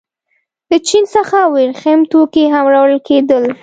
له چین څخه ورېښم توکي هم راوړل کېدل.